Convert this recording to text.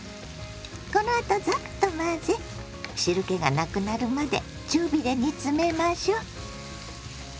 このあとザッと混ぜ汁けがなくなるまで中火で煮詰めましょ。